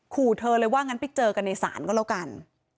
ขู่เธอเลยว่างั้นไปเจอกันในศาลก็แล้วกัน